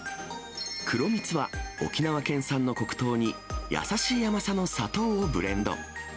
黒みつは、沖縄県産の黒糖に、優しい甘さの砂糖をブレンド。